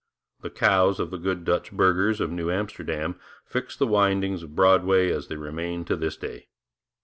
The cows of the good Dutch burghers of New Amsterdam fixed the windings of Broadway as they remain to this day.